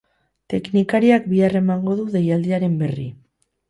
Teknikariak bihar emango du deialdiaren berri.